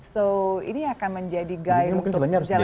so ini akan menjadi guide untuk jalan jalan berikutnya